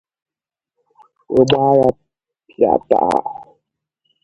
wee gbaa ya pịàtàà